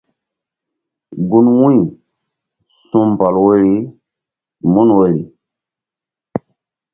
Gun wu̧y su̧ mbɔl woyri mun woyri.